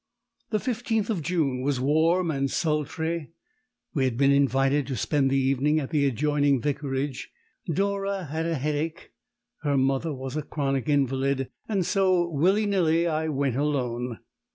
The 15th of June was warm and sultry; we had been invited to spend the evening at the adjoining vicarage; Dora had a headache, her mother was a chronic invalid, and so willy nilly I went alone.